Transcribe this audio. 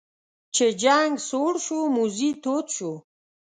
چې جنګ سوړ شو موذي تود شو.